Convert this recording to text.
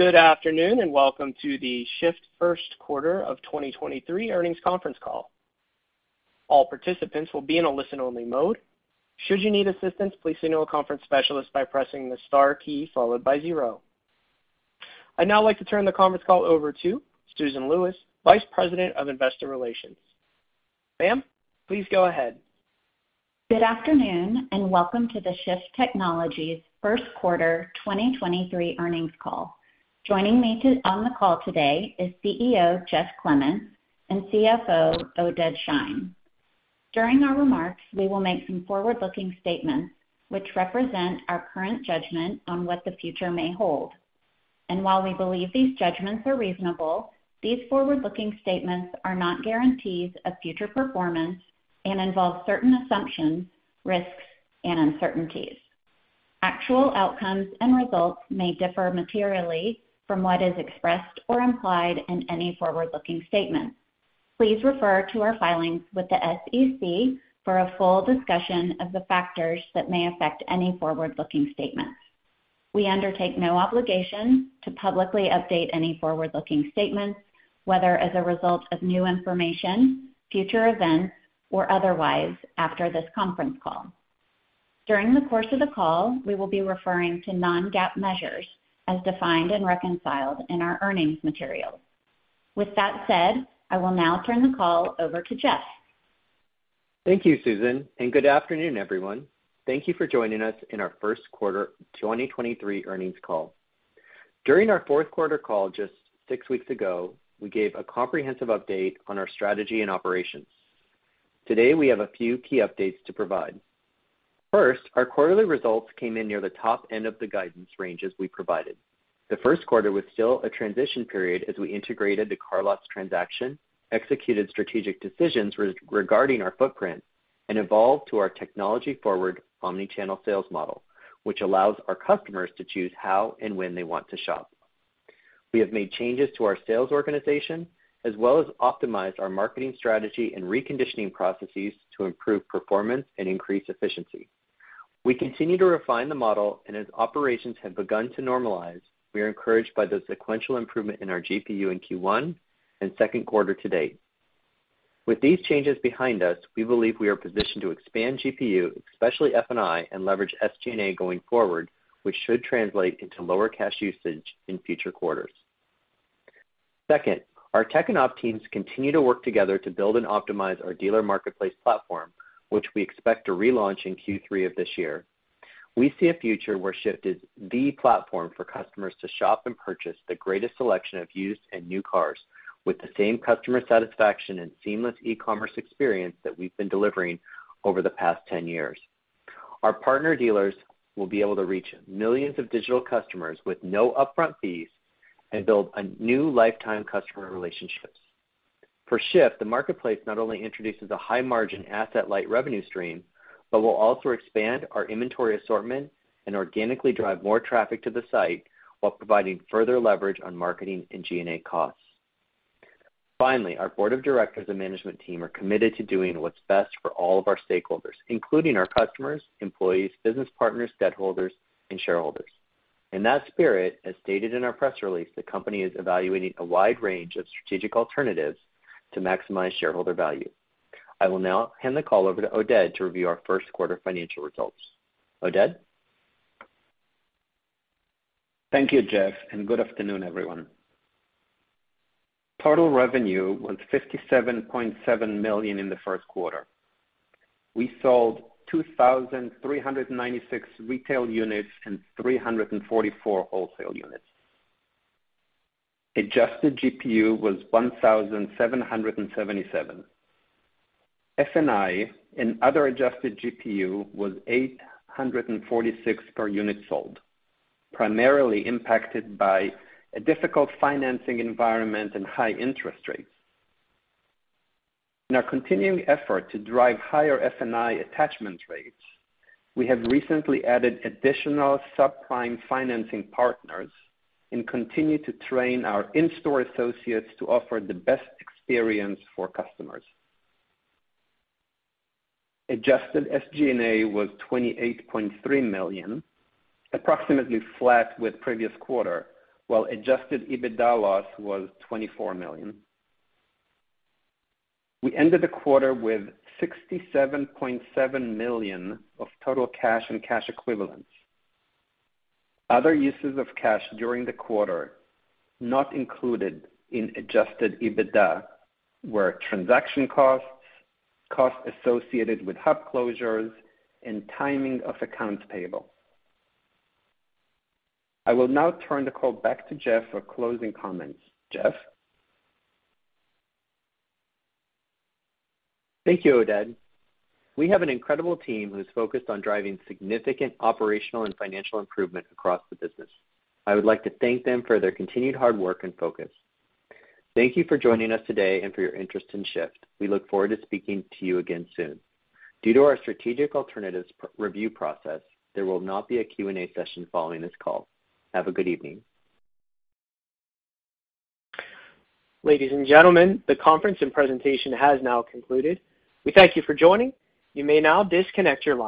Good afternoon, welcome to the Shift Q1 of 2023 Earnings Conference Call. All participants will be in a listen-only mode. Should you need assistance, please signal a conference specialist by pressing the star key followed by zero. I'd now like to turn the conference call over to Susan Lewis, Vice President of Investor Relations. Ma'am, please go ahead. Good afternoon, welcome to the Shift Technologies Q1 2023 Earnings Call. Joining me on the call today is CEO Jeff Clementz and CFO Oded Shein. During our remarks, we will make some forward-looking statements which represent our current judgment on what the future may hold. While we believe these judgments are reasonable, these forward-looking statements are not guarantees of future performance and involve certain assumptions, risks, and uncertainties. Actual outcomes and results may differ materially from what is expressed or implied in any forward-looking statements. Please refer to our filings with the SEC for a full discussion of the factors that may affect any forward-looking statements. We undertake no obligation to publicly update any forward-looking statements, whether as a result of new information, future events, or otherwise after this conference call. During the course of the call, we will be referring to non-GAAP measures as defined and reconciled in our earnings materials. With that said, I will now turn the call over to Jeff. Thank you, Susan. Good afternoon, everyone. Thank you for joining us in our Q1 2023 earnings call. During our Q4 call just six weeks ago, we gave a comprehensive update on our strategy and operations. Today, we have a few key updates to provide. First, our quarterly results came in near the top end of the guidance ranges we provided. The Q1 was still a transition period as we integrated the CarLotz transaction, executed strategic decisions regarding our footprint, and evolved to our technology forward omnichannel sales model, which allows our customers to choose how and when they want to shop. We have made changes to our sales organization, as well as optimized our marketing strategy and reconditioning processes to improve performance and increase efficiency. We continue to refine the model, and as operations have begun to normalize, we are encouraged by the sequential improvement in our GPU in Q1 and second quarter to date. With these changes behind us, we believe we are positioned to expand GPU, especially F&I, and leverage SG&A going forward, which should translate into lower cash usage in future quarters. Second, our tech and op teams continue to work together to build and optimize our dealer marketplace platform, which we expect to relaunch in Q3 of this year. We see a future where Shift is the platform for customers to shop and purchase the greatest selection of used and new cars with the same customer satisfaction and seamless e-commerce experience that we've been delivering over the past 10 years. Our partner dealers will be able to reach millions of digital customers with no upfront fees and build a new lifetime customer relationships. For Shift, the marketplace not only introduces a high margin asset light revenue stream, but will also expand our inventory assortment and organically drive more traffic to the site while providing further leverage on marketing and G&A costs. Finally, our board of directors and management team are committed to doing what's best for all of our stakeholders, including our customers, employees, business partners, stakeholders, and shareholders. In that spirit, as stated in our press release, the company is evaluating a wide range of strategic alternatives to maximize shareholder value. I will now hand the call over to Oded to review our first quarter financial results. Oded? Thank you, Jeff. Good afternoon, everyone. Total revenue was $57.7 million in the Q1. We sold 2,396 retail units and 344 wholesale units. Adjusted GPU was $1,777. F&I and other adjusted GPU was $846 per unit sold, primarily impacted by a difficult financing environment and high interest rates. In our continuing effort to drive higher F&I attachment rates, we have recently added additional subprime financing partners and continue to train our in-store associates to offer the best experience for customers. Adjusted SG&A was $28.3 million, approximately flat with previous quarter, while Adjusted EBITDA loss was $24 million. We ended the quarter with $67.7 million of total cash and cash equivalents. Other uses of cash during the quarter, not included in Adjusted EBITDA, were transaction costs associated with hub closures, and timing of accounts payable. I will now turn the call back to Jeff for closing comments. Jeff? Thank you, Oded. We have an incredible team who's focused on driving significant operational and financial improvement across the business. I would like to thank them for their continued hard work and focus. Thank you for joining us today and for your interest in Shift. We look forward to speaking to you again soon. Due to our strategic alternatives review process, there will not be a Q&A session following this call. Have a good evening. Ladies and gentlemen, the conference and presentation has now concluded. We thank you for joining. You may now disconnect your lines.